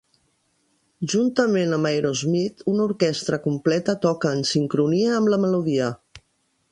Juntament amb Aerosmith, una orquestra completa toca en sincronia amb la melodia.